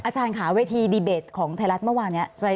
อาชารขาวิธีดีเบจของไทยรัฐเมื่อวานนี้